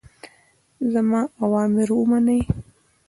زما اوامر ومنئ.